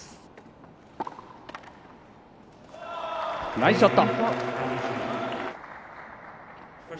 ナイスショット。